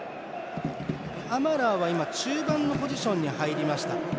アマラーは中盤のポジションに入りました。